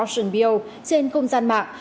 trên không gian mạng